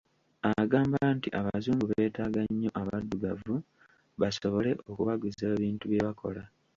Agamba nti abazungu beetaaga nnyo abaddugavu basobole okubaguza ebintu bye bakola.